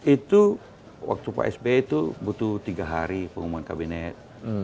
itu waktu pak sby itu butuh tiga hari pengumuman kabinet